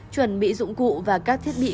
chuẩn bị dụng cụ và các thiết bị